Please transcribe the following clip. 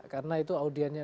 karena itu audianya